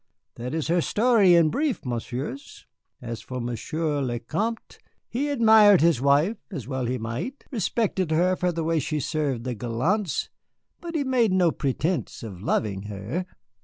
That is her story in brief, Messieurs. As for Monsieur le Vicomte, he admired his wife, as well he might, respected her for the way she served the gallants, but he made no pretence of loving her.